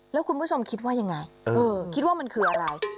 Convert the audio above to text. แล้วคุณผู้ชมคิดว่ายังไงคิดว่ามันคืออะไร